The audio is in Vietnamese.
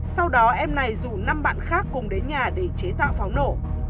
sau đó em này rủ năm bạn khác cùng đến nhà để chế tạo pháo nổ